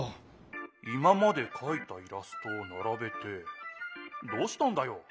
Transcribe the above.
今までかいたイラストをならべてどうしたんだよ？